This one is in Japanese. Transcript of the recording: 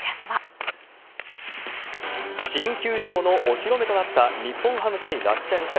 新球場のお披露目となった日本ハム対楽天戦。